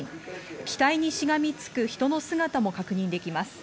機体にしがみつく人の姿も確認できます。